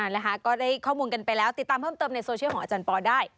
นะคะก็ได้ข้อมูลกันไปแล้วติดตามเพิ่มเติมในโซเชียลของอาจารย์ปอได้